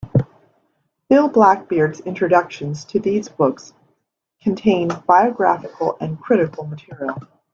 Bill Blackbeard's introductions to these books contain biographical and critical material.